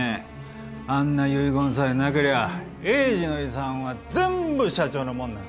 あんな遺言さえなけりゃ栄治の遺産は全部社長のもんなんだ。